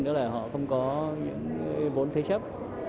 đó là họ không có những vốn thế chấp